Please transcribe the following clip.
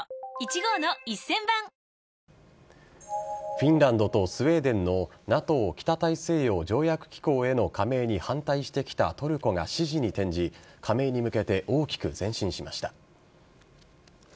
フィンランドとスウェーデンのＮＡＴＯ＝北大西洋条約機構への加盟に反対してきたトルコが支持に転じ加盟に向けて大きく前進しました。